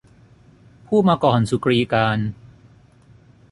ผู้มาก่อนสุกรีกาล